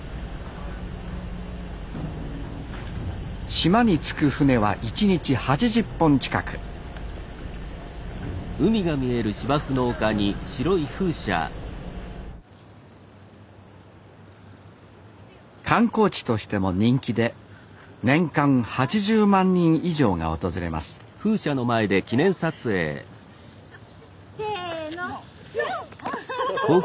島に着く船は１日８０本近く観光地としても人気で年間８０万人以上が訪れますせのピョン！